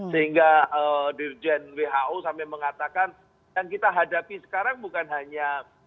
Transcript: sehingga dirjen who sampai mengatakan yang kita hadapi sekarang bukan hanya